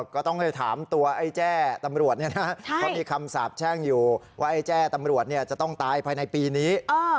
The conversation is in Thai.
ก็ต้องไปถามตัวไอ้แจ้ตำรวจเขามีคำสาบแช่งอยู่ว่าไอ้แจ้ตำรวจจะต้องตายภายในปีนี้